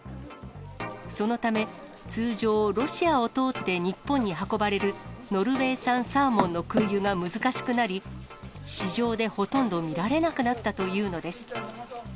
そのため、通常、ロシアを通って日本に運ばれるノルウェー産サーモンの空輸が難しくなり、市場でほとんど見られなくなったというのです。